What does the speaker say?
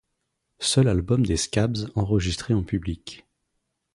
Seul album des Scabs enregistré en public.